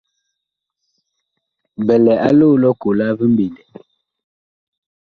Bi lɛ a loo lʼ ɔkola vi mɓendɛ.